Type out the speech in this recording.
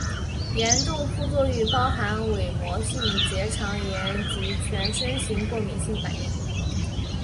严重副作用包含伪膜性结肠炎及全身型过敏性反应。